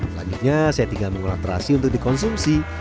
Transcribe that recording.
selanjutnya saya tinggal mengolah terasi untuk dikonsumsi